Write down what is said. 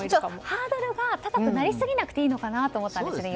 ハードルが高くなりすぎなくていいのかなと思ったんですよね。